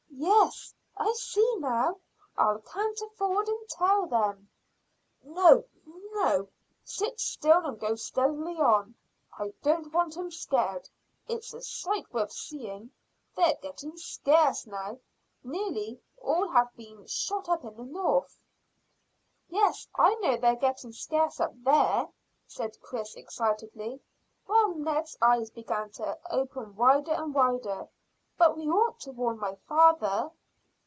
Yes, I see now. I'll canter forward and tell them." "No, no, sit still and go steadily on. I don't want 'em scared. It's a sight worth seeing. They're getting scarce now; nearly all have been shot up in the north." "Yes, I know they're getting scarce up there," said Chris excitedly, while Ned's eyes began to open wider and wider. "But we ought to warn my father."